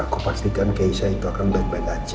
aku pastikan keisha itu akan baik baik aja